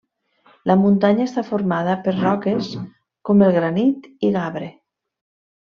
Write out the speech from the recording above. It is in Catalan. La muntanya està formada per roques com el granit i gabre.